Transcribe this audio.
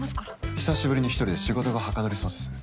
久しぶりに１人で仕事がはかどりそうです。